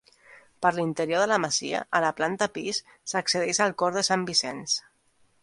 Per l'interior de la masia, a la planta pis, s'accedeix al cor de Sant Vicenç.